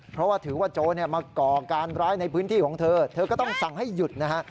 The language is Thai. เพราะว่าถือว่าโจรมาก่อการร้ายในพื้นที่ของเธอเธอก็ต้องสั่งให้หยุดนะฮะ